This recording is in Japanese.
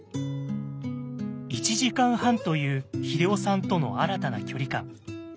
「１時間半」という英夫さんとの新たな距離感。